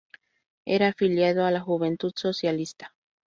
Era afiliado a la Juventud Socialista.